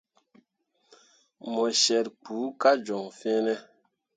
Mo syet kpu kah joŋ fene ?